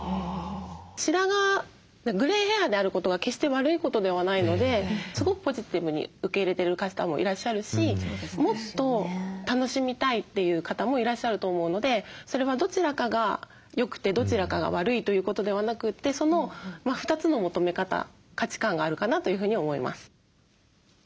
白髪グレイヘアであることは決して悪いことではないのですごくポジティブに受け入れてる方もいらっしゃるしもっと楽しみたいという方もいらっしゃると思うのでそれはどちらかが良くてどちらかが悪いということではなくてその２つの求め方価値観があるかなというふうに思います。